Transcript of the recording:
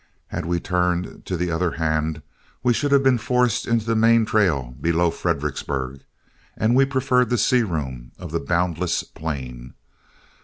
Had we turned to the other hand, we should have been forced into the main trail below Fredericksburg, and we preferred the sea room of the boundless plain.